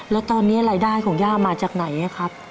แล้วตอนนี้รายได้ของย่ามาจากไหนครับ